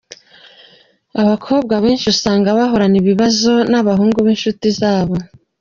Abakobwa benshi usanga bahorana ibibazo n’abahungu b’inshuti zabo.